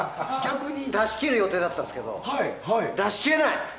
出し切る予定だったんですけど出し切れない！